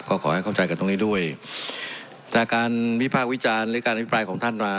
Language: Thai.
ก็ขอให้เข้าใจกันตรงนี้ด้วยจากการวิพากษ์วิจารณ์หรือการอภิปรายของท่านมา